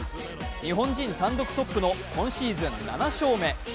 日本人単独トップの今シーズン７勝目。